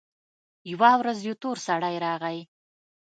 يوه ورځ يو تور سړى راغى.